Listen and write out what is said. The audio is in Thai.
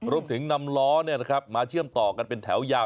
รวมถึงนำล้อมาเชื่อมต่อกันเป็นแถวยาว